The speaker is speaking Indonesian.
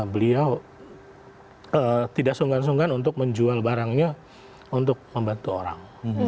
beliau tidak sungkan sungkan untuk menjual barangnya untuk membantu orang